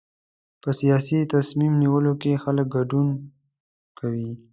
په سیاسي تصمیم نیولو کې خلک ګډون کوي.